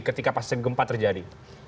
ketika pasien gempa terjadi